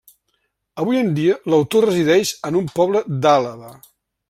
Avui en dia l'autor resideix en un poble d'Àlaba.